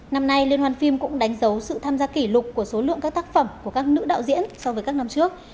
năm nay liên hoan phim cũng đánh dấu sự tham gia kỷ lục của số lượng các tác phẩm của các nữ đạo diễn so với các năm trước